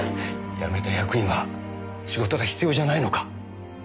辞めた役員は仕事が必要じゃないのか？